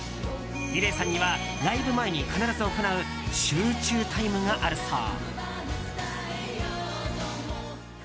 ｍｉｌｅｔさんにはライブ前に必ず行う集中タイムがあるそう。